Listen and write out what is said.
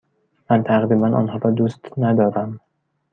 من تقریبا آنها را دوست ندارم.